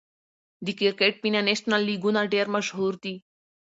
د کرکټ فینانشل لیګونه ډېر مشهور دي.